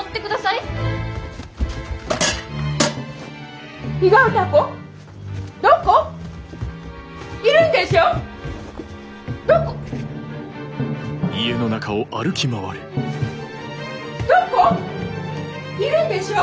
いるんでしょ？